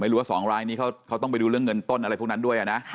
หรือว่า๒รายนี้เขาต้องไปดูเรื่องเงินต้นอะไรพวกนั้นด้วยนะ